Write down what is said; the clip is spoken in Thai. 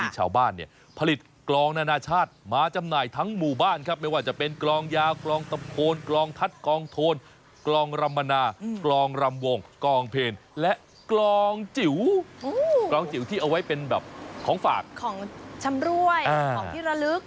และกรองจิ๋วที่เอาไว้เป็นแบบของฝากของชำรวยของที่ระลึกแบบนี้